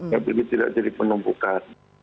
jadi tidak jadi penumpukan